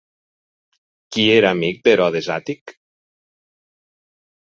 Qui era amic d'Herodes Àtic?